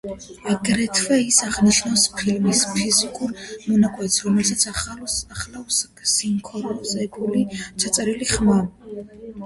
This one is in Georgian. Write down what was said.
აგრეთვე ის აღნიშნავს ფილმის ფიზიკურ მონაკვეთს, რომელსაც ახლავს სინქრონიზებული ჩაწერილი ხმა.